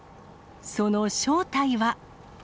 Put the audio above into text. その正体は。